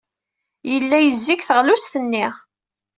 Yella yizi deg teɣlust-nni.